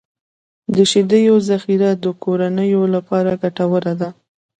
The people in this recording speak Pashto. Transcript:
د شیدو ذخیره د کورنیو لپاره ګټوره ده.